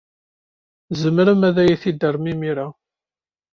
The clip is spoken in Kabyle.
Tzemrem ad iyi-t-id-terrem imir-a?